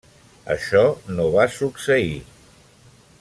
Això no va succeir.